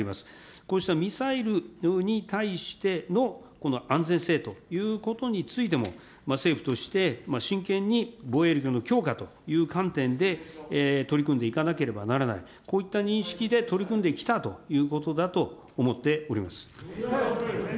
こうしたミサイルに対してのこの安全性ということについても、政府として真剣に防衛力の強化という観点で、取り組んでいかなければならない、こういった認識で取り組んできたということだと思っております。